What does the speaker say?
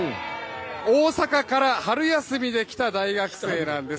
大阪から春休みで来た大学生なんです。